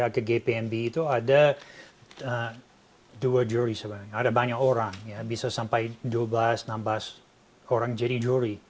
ke gpnb itu ada dua juri sebenarnya ada banyak orang bisa sampai dua belas enam belas orang jadi juri